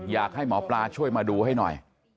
อยากให้หมอปลาช่วยมาดูให้หน่อย